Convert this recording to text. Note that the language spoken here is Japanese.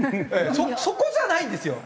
そこじゃないんですよ。